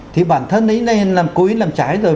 thì bản thân ấy cố ý làm trái rồi